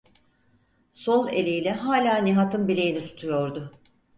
Sol eliyle hâlâ Nihat’ın bileğini tutuyordu.